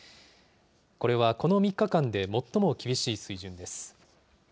これはこの３日間で最も厳しい水準です。